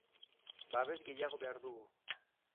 Babes gehiago behar dugu.